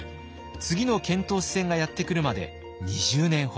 次の遣唐使船がやって来るまで２０年ほど。